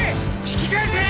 引き返せ！